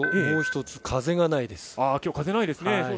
もう１つ、風がないです。